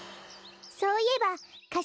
そういえばか